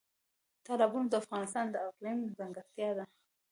تالابونه د افغانستان د اقلیم ځانګړتیا ده.